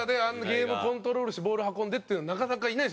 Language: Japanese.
ゲームコントロールしてボール運んでっていうのはなかなかいないですよ